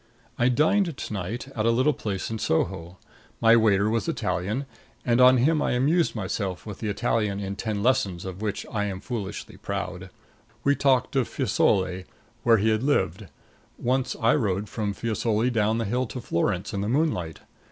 I dined to night at a little place in Soho. My waiter was Italian, and on him I amused myself with the Italian in Ten Lessons of which I am foolishly proud. We talked of Fiesole, where he had lived. Once I rode from Fiesole down the hill to Florence in the moonlight.